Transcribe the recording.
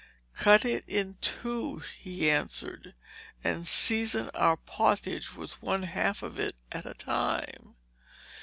"Cut it in two," he answered, "and season our pottage with one half of it at a time."